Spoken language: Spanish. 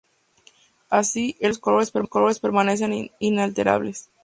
Así, el esmalte y sus colores permanecen inalterables.